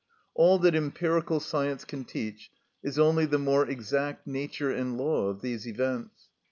All that empirical science can teach is only the more exact nature and law of these events.